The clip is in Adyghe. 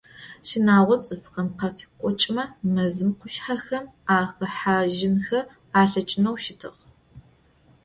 Щынагъо цӏыфхэм къафыкъокӏымэ, мэзым, къушъхьэхэм ахэхьажьынхэ алъэкӏынэу щытыгъ.